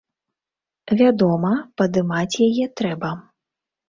Вядома, падымаць яе трэба.